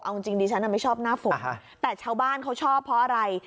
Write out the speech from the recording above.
เอาจริงดิฉันไม่ชอบหน้าฝนแต่ชาวบ้านเขาชอบเพราะอะไร